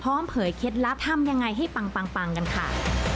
พร้อมเผยเคล็ดลับทำอย่างไรให้ปังกันค่ะ